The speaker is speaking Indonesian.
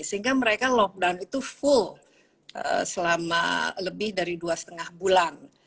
sehingga mereka lockdown itu full selama lebih dari dua lima bulan